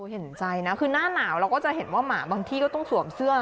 เห็นใจนะคือหน้าหนาวเราก็จะเห็นว่าหมาบางที่ก็ต้องสวมเสื้อ